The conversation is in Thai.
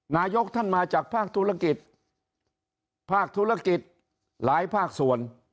นายกท่านมาจากภาคธุรกิจภาคธุรกิจหลายภาคส่วน